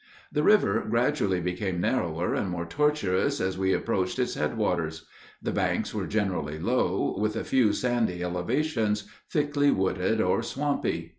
The river gradually became narrower and more tortuous as we approached its head waters. The banks are generally low, with a few sandy elevations, thickly wooded or swampy.